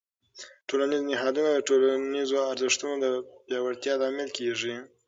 ټولنیز نهادونه د ټولنیزو ارزښتونو د پیاوړتیا لامل کېږي.